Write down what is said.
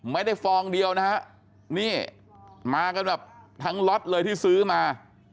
ฟองเดียวนะฮะนี่มากันแบบทั้งล็อตเลยที่ซื้อมา